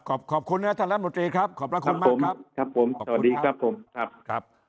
ขอบคุณนะทางรัฐโรธีครับ